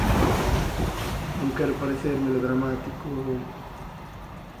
Non quero parecer melodramático...